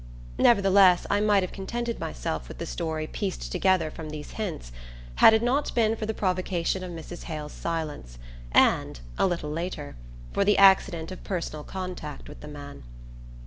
Nevertheless, I might have contented myself with the story pieced together from these hints had it not been for the provocation of Mrs. Hale's silence, and a little later for the accident of personal contact with the man.